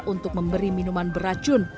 untuk memberi minuman beracun